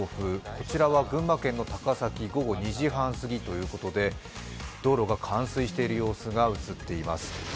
こちらは群馬県の高崎、午後２時半過ぎということで道路が冠水している様子が映っています。